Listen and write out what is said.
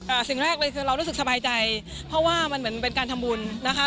สิ่งแรกเลยคือเรารู้สึกสบายใจเพราะว่ามันเหมือนเป็นการทำบุญนะคะ